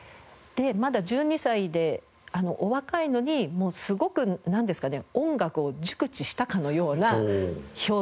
まだ１２歳でお若いのにすごくなんですかね音楽を熟知したかのような表現。